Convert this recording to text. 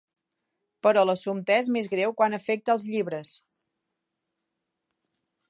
Però l'assumpte és més greu quan afecta als llibres.